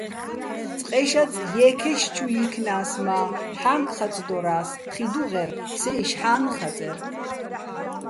წყეშაწ ჲე́ქეში̆ ჩუ ჲი́ქნას მა́ ჰ̦ანგო̆ ხაწდორა́ს, ხი დუღერ, სე იშ ჰ̦ანნ ხაწერ.